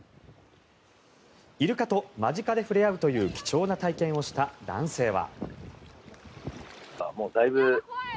イルカと間近で触れ合うという貴重な体験をした男性は。